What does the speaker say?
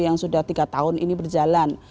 yang sudah tiga tahun ini berjalan